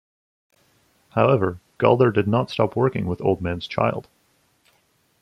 However, Galder did not stop working with Old Man's Child.